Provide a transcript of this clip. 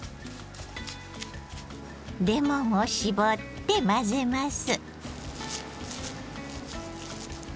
レモンを搾って混ぜます。